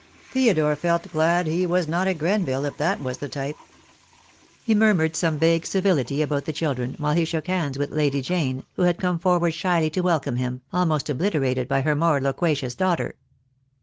Theodore felt glad he was not a Grenville if that was the type. He murmured some vague civility about the children, while he shook hands with Lady Jane, who had THE DAY WILL COME. 285 come forward shyly to welcome him, almost obliterated by her more loquacious daughter.